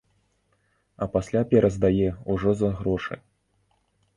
А пасля пераздае ўжо за грошы.